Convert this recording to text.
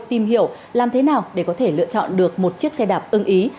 tìm hiểu làm thế nào để có thể lựa chọn được một chiếc xe đạp ưng ý